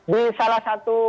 di salah satu